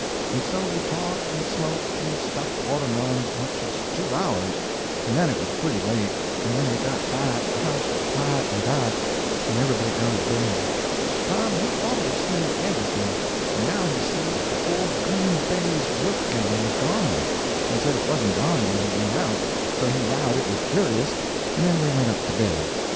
And so we talked and smoked and stuffed watermelons much as two hours, and then it was pretty late, and when we got back the house was quiet and dark, and everybody gone to bed. [Illustration: Smoked and stuffed watermelon] Tom he always seen everything, and now he see that the old green baize work gown was gone, and said it wasn't gone when he went out; so he allowed it was curious, and then we went up to bed.